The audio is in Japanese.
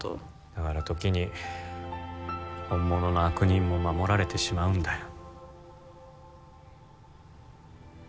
だから時に本物の悪人も守られてしまうんだよ